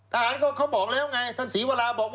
ทหารก็เขาบอกแล้วไงท่านศรีวราบอก